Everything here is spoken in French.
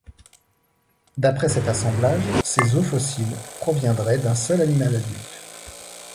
D'après cet assemblage, ces os fossiles proviendraient d'un seul animal adulte.